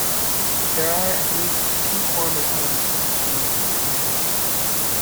There are at least two formal elements of the poem that are interesting.